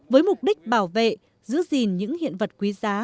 với mục đích bảo vệ giữ gìn những hiện vật quý giá